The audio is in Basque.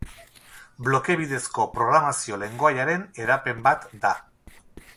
Bloke bidezko programazio-lengoaiaren hedapen bat da.